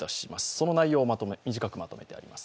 その内容を短くまとめてあります。